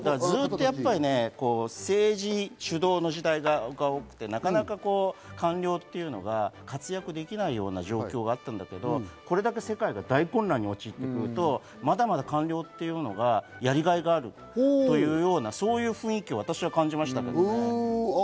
政治主導の時代が多くてなかなか官僚は活躍できないような状況があったんだけれども、これだけ世界が大混乱に陥ってくるとまだまだ官僚というのがやりがいがあるというような、そんな雰囲気を私は感じましたけど。